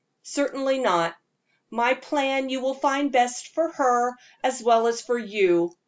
"Certainly not. My plan you will find best for her as well as for you.